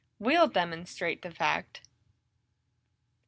"We'll demonstrate the fact."